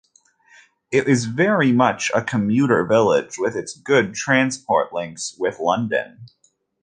It is very much a commuter village with its good transport links with London.